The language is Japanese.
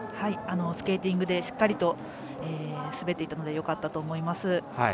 スケーティングでしっかりと滑っていたのでよかったと思います。